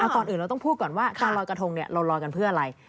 ก่อนอื่นเราต้องพูดก่อนว่าการลอยกระทงเราลอยกันเพื่ออะไร